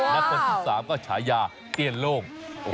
และคนที่๓ก็ฉายาเตี้ยนโล่ง